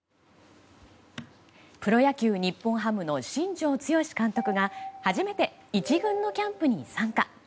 プロ野球日本ハムの新庄剛志監督が初めて１軍のキャンプに参加。